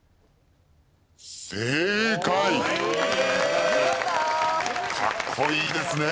かっこいいですね！